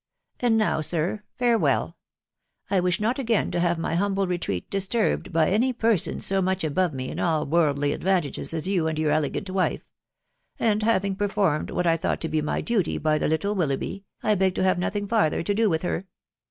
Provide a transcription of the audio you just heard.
And now, sir, farewell ! I iwish not again to have my humble retreat disturbed »by any pewons sormuoh above me in 'alb worldly ad vantages .«s you .and your elegant wife ; :and having performed what I thought to be my duty by the. little Willoughby,. I beg to have nothing farther to do with her.